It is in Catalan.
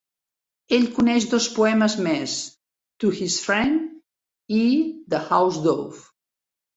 Ell coneix dos poemes més: "To His Friend" i "The Housedove".